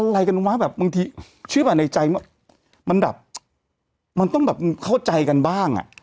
แบบบางทีชื่อแบบในใจมันแบบมันต้องแบบเข้าใจกันบ้างอ่ะ